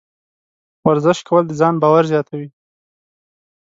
ورزش کول د ځان باور زیاتوي.